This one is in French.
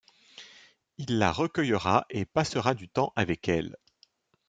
Il la recueillera et passera du temps avec elle.